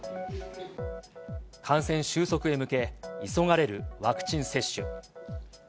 感染収束へ向け、急がれるワクチン接種。